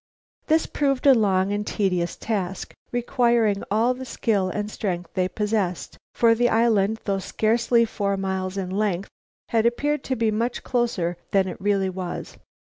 This proved a long and tedious task, requiring all the skill and strength they possessed, for the island, though scarcely four miles in length, had appeared to be much closer than it really was.